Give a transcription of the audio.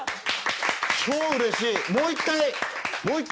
超うれしい。